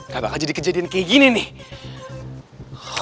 gak bakal jadi kejadian kayak gini nih